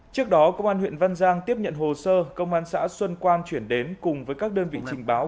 trước đó công an huyện văn giang tiếp nhận hồ sơ công an xã xuân quan chuyển đến cùng với các đơn vị trình báo